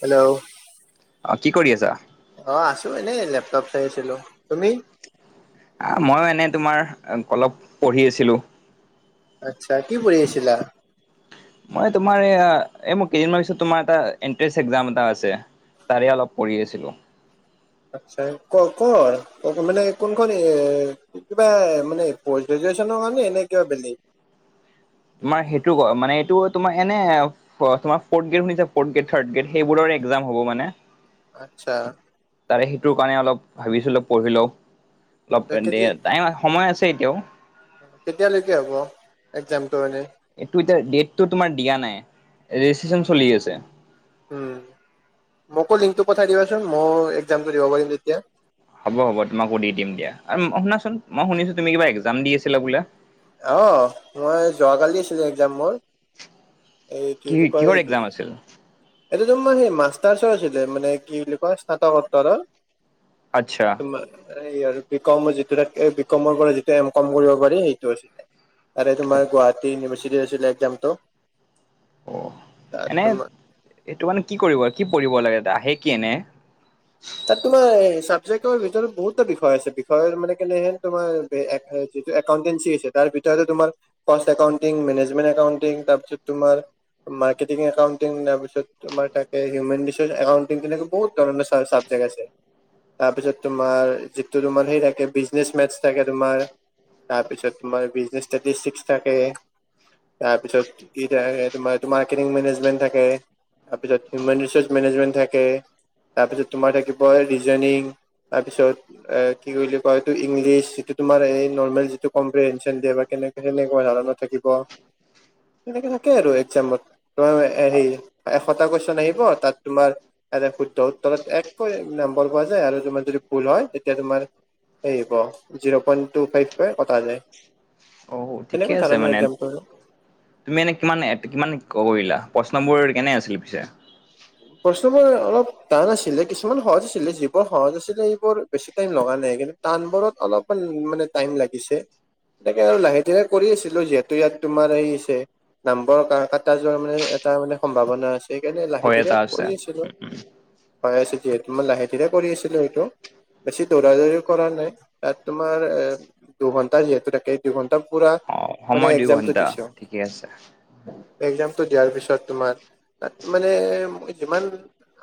Hello অ কি কৰি আছা? অ আছো এনেই লেপটপ চাই আছিলো, তুমি? আহ মইও এনে তোমাৰ অলপ পঢ়ি আছিলোঁ। আচ্ছা। কি পঢ়ি আছিলা? মই তোমাৰ এয়া মোৰ কেইদিনমান পিছত তোমাৰ এটা এণ্টেঞ্চ এক্সাম এটা আছে। তাৰে অলপ পঢ়ি আছিলোঁ। আচ্ছা, ক' কৰ মানে কোনখন এ কিবা মানে পষ্ট গ্ৰেজুৱেচনৰ কাৰণে নে কিবা বেলেগ তোমাৰ সেইটো ক মানে এইটো তোমাৰ এনে তোমাৰ ফৰ্থ গ্ৰেড শুনিছা ফৰ্থ গ্ৰেড থাৰ্ত গ্ৰেড সেইবোৰৰ এক্সাম হব মানে আচ্ছা তাৰে সেইটোৰ কাৰণে অলপ ভাবিছিলোঁ পঢ়ি লও, অলপ তে দে কেতিয়া টাইম সময় আছে এতিয়াও। কেতিয়ালৈকে হ'ব একজামটো এনেই? এইটো এতিয়া ডেটটো তোমাৰ দিয়া নাই, ৰেজিষ্ট্ৰচন চলি আছে। উম, মোকো লিংকটো পঠাই দিবাচোন মইও একজামটো দিব পাৰিম তেতিয়া। হ'ব, হ'ব তোমাক দি দিম দিয়া। আ-ম অঁ শুনাচোন, মই শুনিছোঁ তুমি কিবা এক্সাম দি আছিলা বোলে? অ, মই যোৱাকালি আছিলে এক্সাম মোৰ। এই কি বুলি কয়? ছিল? [unintelligible] এইতোটো মানে মাষ্টাৰ্চৰ আছিলে মানে কি বুলি কয়? স্নাতককোত্তৰ? আচ্ছা। তোমা এ আৰু বি কমৰ যিটো থাক, বি কমৰ পৰা যিটো এম কম কৰিব পাৰি সেইটো আছিলে। আৰে তোমাৰ গুৱাহাটী ইউনিৰ্ভাচিটিত আছিলে এক্সামটো। অ, এনে তোমাৰ এইটো মানে কি কৰিব, কি পঢ়িব লাগে? আহে কি এনে? তাত তোমাৰ চাবজেক্টৰ ভিতৰত বহুতটা বিষয় আছে। বিষয় মানে কেনেহেন তোমাৰ এ এক এ যিটো একাউণ্টেঞ্চি আছে তাৰ ভিতৰতে তোমাৰ প'ষ্ট একাউণ্টিং, মেনেজমেণ্ট একাউণ্টিং তাৰপিছত তোমাৰ মাৰ্কেটিং একাউণ্টিং তাৰপিছত তোমাৰ তাকে হিউমেণ্ট ৰিচৰ্চ একাউণ্টিং তেনেকে বহুত ধৰণে চা- চা জেগা আছে। তাৰপিছত তোমাৰ যিটো তোমাৰ হেৰি থাকে বিজিনেচ মেটছ থাকে তোমাৰ তাৰপিছত তোমাৰ বিজনেচ থাৰ্টিচিক্স থাকে। তাৰ পিছত ইট আ তোমাৰ তোমাৰ ৰ্মাকেটিং মেনেজমেণ্ট থাকে। তাৰপিছত হিউমেণ্ট ৰিচৰ্চ মেনেজমেণ্ট থাকে। তাৰপিছত তোমাৰ থাকিব ৰিজনিং তাৰপিছত এ কি বুলি কয় এইটো? ইংলিছ যিটো তোমাৰ এই নৰ্মেল যিটো কম্পেহেঞ্চণ দিয়ে বা কেনে সেনেকোৱা ধৰণৰ থাকিব সেনেকে থাকে আৰু এক্সামত। তোমাৰ এই হেৰি এশটা কুৱেশ্যন আহিব তাত তোমাৰ এয়াতে শুদ্ধ উত্তৰত এককৈ নম্বৰ পোৱা যায় আৰু তোমাৰ যদি ভুল হয় তেতিয়া তোমাৰ হেৰি হ'ব, জিৰ পইণ্ট টু ফাইভ কে কটা যায়। অও ঠিকে তেনেকুৱা আছে ধৰণৰ মানে। এক্জামটো তুমি এনেই কিমান এ কিমান কৰিলা প্ৰশ্নবোৰ কেনে আছিল পিছে? প্ৰশ্নবোৰ অলপ টান আছিলে। কিছুমান সহজ আছিলে, যিবোৰ সহজ আছিলে সেইবোৰ বেছি টাইম লগা নাই কিন্তু টানবোৰত অলপমান মানে টাইম লাগিছে। এনেকে আৰু লাহে - ধীৰে কৰি আছিলো যিহেতু ইয়াত তোমাৰ হেৰি আছে নাম্বৰ কা কাটা যোৱাৰ মানে এটা মানে সম্ভাৱনা আছে সেইকাৰণে লাহে হয় এটা -ধীৰে আছে কৰি আছিলো। চাই-চিটিয়ে মই মানে লাহে-ধীৰে কৰি আছিলো এইটো। বেছি দৌৰা- দৌৰি কৰা নাই। তাত তোমাৰ এ দুঘন্টা যিহেতু থাকেই দুঘন্টা পুৰা অ সময় মানে, দুই এক্সামটো ঘন্টা দিছো। ঠিকে আছে এক্সামটো দিয়াৰ পিছত তোমাৰ তাত মানে যিমান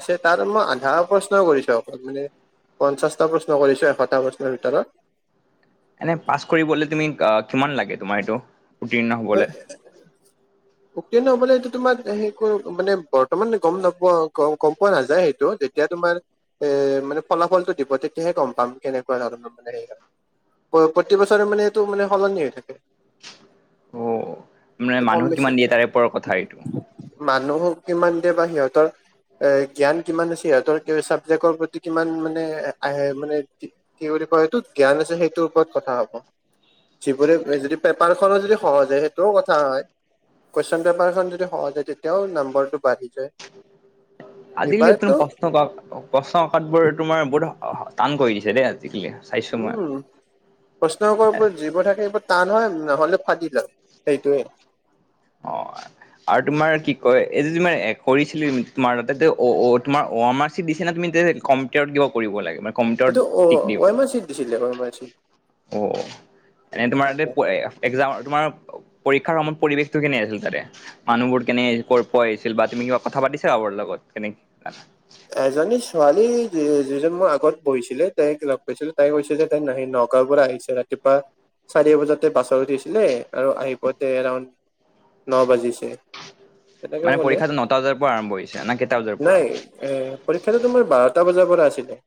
আছে তাত মই আধা প্ৰশ্ন কৰিছো অকল মানে পঞ্চাশটা প্ৰশ্ন কৰিছো, এশটা প্ৰশ্নৰ ভিতৰত। এনে পাছ কৰিবলে তুমি আ, কিমান লাগে তোমাৰ এইটো? উত্তীৰ্ণ অ হবলৈ উত্তীৰ্ণ হ'বলে এইটো তোমাৰ সেই কৰি মানে বৰ্তমান গম নাপোৱা, গম গম পোৱা নাযায় সেইটো যে যেতিয়া তোমাৰ এ মানে ফলাফলটো দিব তেতিয়াহে গম পাম কেনেকোৱা ধৰণৰ মানে সেইয়া প প্ৰতি বছৰে মানে এইটো মানে সলনি হৈ থাকে অ মানে এইটো কম মানুহ কিমান বেছি দিয়ে তাৰে ওপৰৰ কথা এইটো মানুহক কিমান দিয়ে বা সিহঁতৰ এ জ্ঞান কিমান আছে সিহঁতৰ চাবজেক্টৰ প্ৰতি কিমান মানে আহে মানে কি বুলি কয় সেইটো? জ্ঞান আছে সেইটোৰ ওপৰত কথা হ'ব। যিবোৰে যদি পেপাৰ খনৰ যদি সহজে সেইটোও কথা হয়। কুৱেশ্যন পেপাৰখন যদি সহজ হয় তেতিয়াও নাম্বাৰটো বাঢ়ি যায়। আজিকালি তুন এইবাৰতো পশ্ন কাক পশ্ন কাকতবোৰ তোমাৰ বহুত শক টান কৰি দিছে দেই আজিকালি। চাইছো উম, মই প্ৰশ্ন কাকত বোৰত যিবোৰ থাকে সেইবোৰত টান হয় নহ'লে ফাটি যায়, সেইটোৱে। অ, হয়। আৰু তোমাৰ কি কয় এই যে তোমাৰ এ কৰিছিলি তোমাৰ তাতে অ অ তোমাৰ অ আমাৰ চিট দিছে না তুমি নিজে কম্পকেয়ট কিয় কৰিব লাগে তোমাৰ এইটো অ অমাৰ চিত দিছিলে অমাৰ চিট অ এনে তোমাৰ তাতে এ একজাম তোমাৰ পৰীক্ষাৰ সময়ত পৰিৱেশ তো কিনি আছিল তাৰে মানুহবোৰ কেনে কৰ পোৱা আহিছিল বা তুমি কিবা কথা পাতিছা কাবাৰ লগত তেনেকে এজনী ছোৱালী যি যিজন মোৰ আগত বহিছিলে তাইক লগ পাইছিলো তাই কৈছিল যে তাই নাহি নগাঁও পৰা আহিছিলে ৰাতিপুৱা চাৰি বজাতে বাছত উঠিছিলে আৰু আহি পাওতে এৰাউণ্ড ন বাজিছে তেনেকে মানে ক'লে পৰীক্ষাতো নটা বজাৰ পৰা আৰম্ভ হৈছে না কেইটা বজাৰ পৰা নাই এ পৰীক্ষাতো তোমাৰ বাৰটা বজাৰ পৰা আছিলে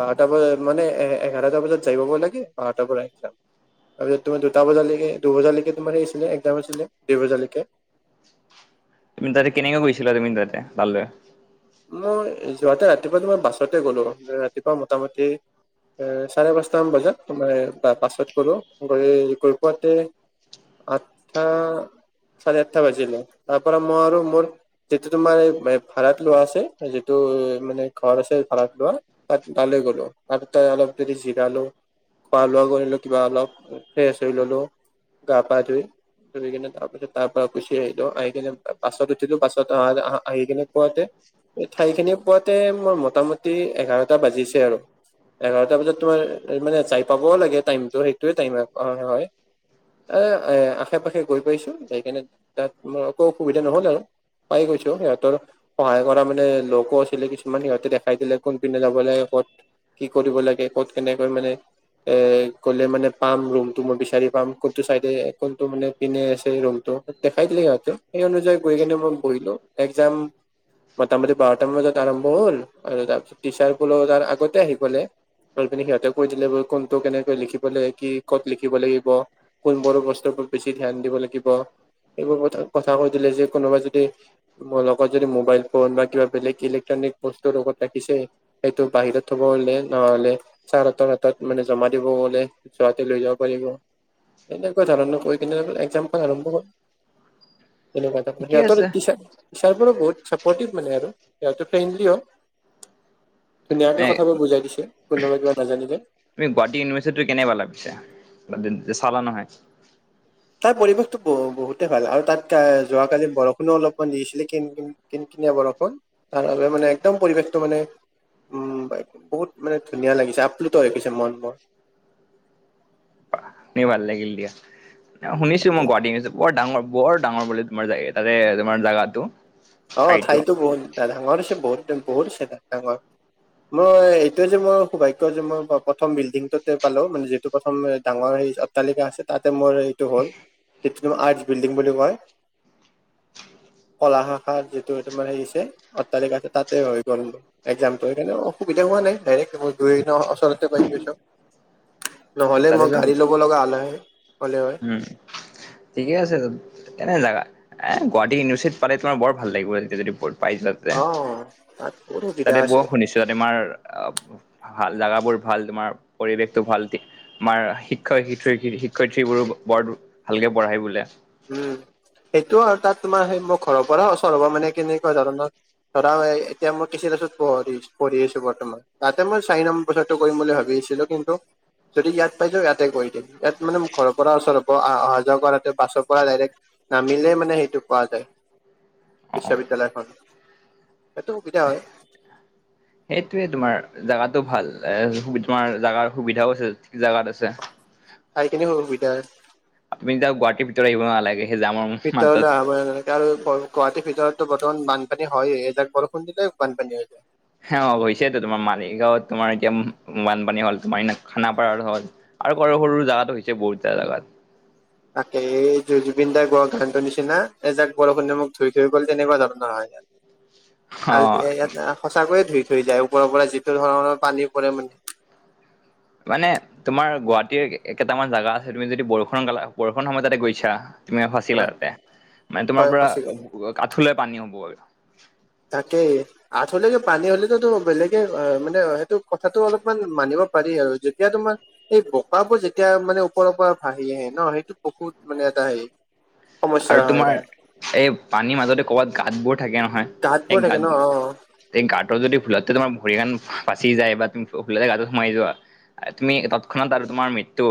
বাৰটা বজাত মানে এ এঘাৰটা বজাত যাই পাব লাগে বাৰটাৰ পৰা ইষ্টাত তাৰপিছত তোমাৰ দুটা বজালৈকে দুবজালৈকে তোমাৰ সেই আছিলে একজাম আছিলে দুই বজালৈকে তুমি তাতে কেনেকে গৈছিলা তুমি তাতে তালে মই যোৱাতে ৰাতিপুৱা তোমাৰ মই বাছতে গ'লো ৰাতিপুৱা মোটামুটি এ চাৰে পাঁচটামান বজাত মানে বাছত গলো গৈ গৈ পাওঁতে আঠটা চাৰে আঠটা বাজিলে তাৰ পৰা মই আৰু মোৰ যিটো তোমাৰ এই ভাড়াত লোৱা আছে যিটো মানে ঘৰ আছে ভাৰাত লোৱা তাত তালে গলো। তাত গৈ অলপ দেৰি জিৰালো। খোৱা-লোৱা কৰিলো কিবা অলপ। ফ্ৰেছ হৈ ল'লো গা-পা ধুই। ধুই কিনে তাৰ পিছত তাৰ পৰা গুচি আহিলো। আহি কিনে বাছত উঠিলো। বাছত আহ-আহ-আহি কিনে পুৱাতে ঠাইখিনি পোৱাতে মৰ মোটামুটি এঘাৰটা বাজিছে আৰু। এঘাৰটা বজাত তোমাৰ মানে যাই পাবওঁ লাগে। টাইমটো সেইটোৱে টাইম হয় হয়। এ এ আশে পাশে গৈ পাইছো। সেইকাৰণে তাত মোৰ একো অসুবিধা নহ'ল আৰু। পাই গৈছো সিহঁতৰ সহায় কৰা মানে লোকো আছিলে কিছুমান। সিহঁতে দেখাই দিলে কোন পিনে যাব লাগে, ক'ত কি কৰিব লাগে, ক'ত কেনেকৈ মানে এ গলে মানে পাম ৰুমটো মই বিচাৰি পাম। কোনটো চাইদে কোনটো পিনে আছে ৰুমটো। দেখাই দিলে সিহঁতে। সেই অনুযায়ী গৈ কেনে মই বহিলো। একজাম মটামটি বাৰটামান বজাত আৰম্ভ হ'ল আৰু তাৰপিছত টিচাৰ সকলেও তাৰ আগতে আহি পালে। গৈ পিনে সিহঁতে কৈ দিলে ব কোনটো কেনেকৈ লিখিব লাগে, কি, ক'ত লিখিব লাগিব। কোনবোৰ বস্তুৰ ওপৰত বেছি ধ্যান দিব লাগিব এইবোৰ ক কথা কৈ দিলে যে কোনোবা যদি মোৰ লগত যদি মোবাইল ফোন বা কিবা বেলেগ ইলেক্ট্ৰনিক বস্তু লগত ৰাখিছে সেইটো বাহিৰত থব হ'লে, নহ'লে ছাৰ হাতৰ হাতত মানে জমা দিব গ'লে যোৱাতে লৈ যাব পাৰিব। এনেকুৱা ধৰণৰ কৈ কেনে একজাম আৰম্ভ হ'ল। তেনেকুৱা [unintelligible] ঠিকে সিহঁতৰ আছে টিচাৰ, টিচাৰ ত' বহুত চাপৰ্টিভ মানে আৰু সিহঁতে ফ্ৰেণ্ডলি হয়। ধুনীয়াকে এ কথাবোৰ বুজাই দিছে কোনোবা কিবা নাজানিলে। তুমি গুৱাহাটী ইউনিভাৰ্চিটিটো কেনে পালা পিছে? [unintelligible] চালা নহয়। তাৰ পৰিৱেশতো ব-বহুতে ভাল আৰু তাত যোৱা-কালি বৰষুণো অলপমান দি আছিলে কিন-কিন কিন-কিনিয়া বৰষুণ। তাৰ কাৰণে মানে একদম পৰিৱেশটো মানে উম বাই বহুত মানে ধুনীয়া লাগিছে। আপ্লুত হৈ গৈছে মনবোৰ। শুনি ভাল লাগিল দিয়া। শুনিছো মই তাকে গুৱাহাটী ইউনিভাৰ্চিটি বৰ ডাঙৰ বৰ ডাঙৰ বোলে তোমাৰ জা তাৰে তোমাৰ জাগাটো। অ ঠাইতো বহুত ডাঙৰ হৈছে, বহুত বহুত ডাঙৰ। মই এইটোৱে যে মোৰ সৌভাগ্য যে মই প্ৰথম বিল্ডিংটোতে পালো। মানে যিটো প্ৰথম ডাঙৰ হেই তাত তালিকা আছে তাতে মোৰ সেইটো হ'ল। সেইটো আৰ্টছ বিল্ডিং বুলি কয়। কলা শা আ যিটো তোমাৰ হেৰি আছে অট্টালিকা তাতে হৈ গল। একজামটো। এইকাৰনে অসুবিধা হোৱা নাই। ডাইৰেক মই গৈ কেনে অচৰতে পাই গৈছো। নহ'লে তাতে মই যাম গাড়ী ল'ব লগা হ'ল হয়, হ'লে হয়। উম ঠিকে আছে [unintelligible] এনে জাগা এ গুৱাহাটী ইউনিভাৰ্চিটিত পালে তোমাৰ বৰ ভাল লাগিব তেতিয়া যদি [unintelligible] পাই যোৱা তাতে। অ তাত বহুত সুবিধা তাতে আছে বৰ শুনিছো য'ত এমাৰ ভাল জাগাবোৰ ভাল। তোমাৰ পৰিৱেশটো ভাল আমাৰ শিক্ষয় শিক্ষইয়ত্ৰী শিক্ষয়িত্ৰীবোৰো বৰ ভালকে পঢ়াই বোলে। উম, সেইটোও হয়। তাত তোমাৰ সেই মোৰ ঘৰৰ পৰা ওচৰ হ'ব, মানে কেনেকুৱা ধৰণৰ ধৰা এতিয়া মই কে চি দাছত পঢ়ি- পঢ়ি আছো বৰ্তমান। তাতে মই চাইনাম প্ৰচাৰটো কৰিম বুলি ভাবিছিলো, কিন্তু যদি ইয়াত পাই যাওঁ ইয়াতে কৰি দিম। ইয়াত মানে ঘৰৰ পৰা ওচৰ হ'ব আহ আহা-যোৱা কৰাতে বাছত পৰা ডাইৰেক নামিলেই মানে সেইটো পোৱা যায় অ অ বিশ্ববিদ্যালয়খন। এইটো সুবিধা হয়। সেইটোৱে তোমাৰ জাগাতো ভাল তোমাৰ জাগাৰ সুবিধাও আছে। ঠিক জাগাত আছে। ঠাইখিনি সুবিধা আছ তুমি এতিয়া গুৱাহাটীৰ ভিতৰত আহিব নালাগে সেই জামৰ মাজত ভিতৰলৈ আহব নালাগে। আৰু গুৱাহাটীৰ ভিতৰতো বৰ্তমান বানপানী হয়ে এযাক বৰষুণ দিলে বানপানী হৈ যায়। হে অ, হৈছেতো তোমাৰ মালিগাঁৱত তোমাৰ এতিয়া বানপানী হ'ল, তোমাৰ ইনাক খানাপাৰাত হ'ল। আৰু কৰো সৰু সৰু জেগাত হৈছে বহুত জা জাগাত। তাকে এইটো জু -জুবিন দাই গোৱা গানটোৰ নিচিনা এজাক বৰষুণে মোক ধুই থৈ গ'ল তেনেকুৱা ধৰণৰ হয়। আল্টি অ', এই এটা সঁচাকৈয়ে ধুই থৈ যায় ওপৰৰ পৰা যিটো ধৰণৰ পানী পৰে মান- মানে তোমাৰ গুৱাহাটীৰ কেইটামান জেগা আছে তুমি যদি বৰষুণ গালা বৰষুণ সময় তাতে গৈছা। তুমি ফাচিলা আওতে মানে তোমাৰ হয় পৰা ফচি গলো আঠুলে পানী হ'বই। তাকে। আঠুহ লেকে পানী হ'লেতোটো বেলেগে মানে সেইটো কথাটো অলপমান মানিব পাৰি আৰু যেতিয়া তোমাৰ এই বোকাবোৰ যেতিয়া মানে ওপৰৰ পৰা ভাহি আহে ন, সেইটো বহুত মানে এটা সেই আৰু তোমাৰ এই পানীৰ মাজতে ক'বাত গাতবোৰ থাকে নহয় গাঁতবোৰ সেই থাকে ন গাত অ এই গাটোৰ যদি ভুলতে তোমাৰ ভৰি খান ফাচি যায় বা তুমি ভুলতে গাটত সোমাই যোৱা তুমি তৎক্ষণাত আৰু তোমাৰ মৃত্যু।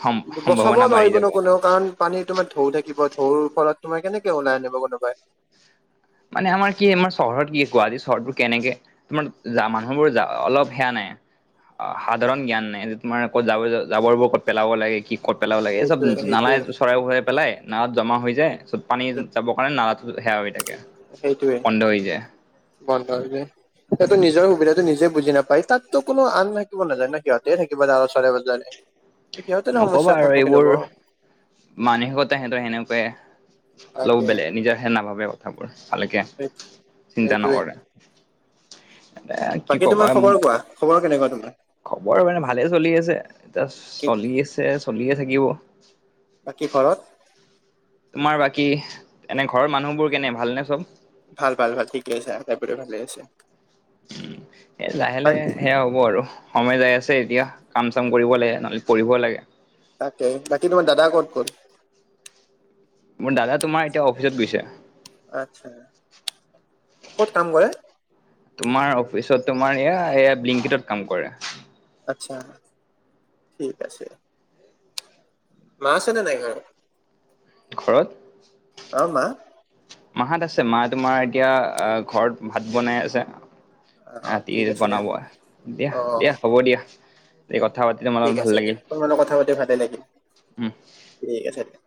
সম বচাব সম্ভাৱনা বাঢ়ি নোৱাৰিব ন, যাব। কোনেও কাৰণ পানী তোমাৰ ঢৌ থাকিব ঢৌৰ ফলত তোমাৰ কেনেকে ওলাই আনিব কোনোবাই। মানে আমাৰ কি আমাৰ চহৰত কি গুৱাহাটী চহৰবোৰ কেনেকে তোমাৰ যা মানুহবোৰ যা অলপ সেয়া নাই। অ সাধাৰণ জ্ঞান নাই যে তোমাৰ ক'ত জাব জাবৰবোৰ ক'ত পেলাব লাগে কি ক'ত পেলাব লাগে এই চব সেইটোৱে নালায় সেইটোৱে চৰাই ভৰাই পেলাই নালাত জমা হৈ যায়। চ'ত পানী যাব কাৰণে নালাটো সেয়া হৈ থাকে। সেইটোৱে বন্ধ হৈ যায় বন্ধ যে। সেইটো নিজৰ সুবিধাটো নিজে বুজি নাপায় তাতো কোনো আন থাকিব নাজান না সিহঁতে থাকিব দ ওচৰে-পাজৰে। নকবা আৰু এইবোৰ। মানসিকতাই সিহঁতৰ সেনেকুৱাই ল তাকে বেলে নিজ- হে নাভাবে কথাবোৰ ভালকে চিন্তা সেইটোৱে নকৰে। এ কি বাকী ক'বা তোমাৰ খবৰ কোৱা খবৰ কেনেকুৱা তোমাৰ? খবৰ মানে ভালে চলি আছে এতিয়া কি চলি আছে চলিয়ে থাকিব। বাকী ঘৰত? তোমাৰ বাকী এনে ঘৰৰ মানুহবোৰ কেনে ভালনে চব? ভাল ভাল ভাল ঠিকে আছে [unintelligible] ভালে আছে। উম, এ লাহে লাহে সেয়া হ'ব আৰু। সময় যাই আছে এতিয়া কাম চাম কৰিব লাগে নহ'লে পঢ়িব লাগে। তাকে বাকী তোমাৰ দাদা ক'ত ক'ত? মোৰ দাদা তোমাৰ এতিয়া অফিচত গৈছে। আত্চ্ছা। ক'ত কাম কৰে? তোমাৰ অফিচত তোমাৰ ব্লিংকিটত কাম কৰে। আত্চ্ছা ঠিক আছে। মা আছেনা নাই ঘৰত? ঘৰত। অ মা? মাহত আছে মা তোমাৰ এতিয়া ঘৰত ভাত বনাই আছে। অ ৰাতি ঠিক আছে দিয়া বনাব দিয়া অ দিয়া হ'ব দিয়া এই কথা পাতি দম- ঠিক আছে দিয়া তোমাৰ কথা পাতি ভালে লাগিল ঠিক আছে দে।